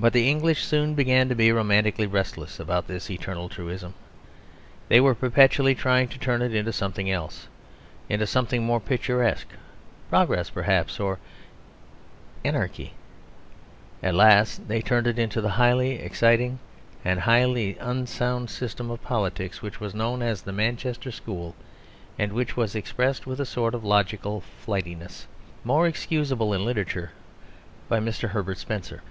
But the English soon began to be romantically restless about this eternal truism; they were perpetually trying to turn it into something else, into something more picturesque progress perhaps, or anarchy. At last they turned it into the highly exciting and highly unsound system of politics, which was known as the Manchester School, and which was expressed with a sort of logical flightiness, more excusable in literature, by Mr. Herbert Spencer.